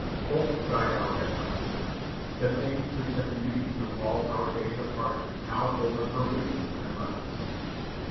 Hope died out at last ! The faith which had remained through all our days of hardship now folded her wings and left us.